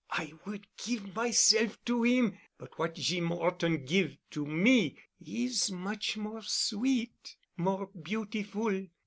I would give myself to 'im, but what Jeem 'Orton give' to me is much more sweet, more beautiful.